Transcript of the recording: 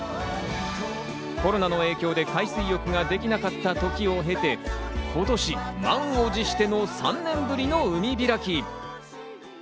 コロナの影響で海水浴ができなかった時を経て、今年、満を持しての３年ぶりの海開き。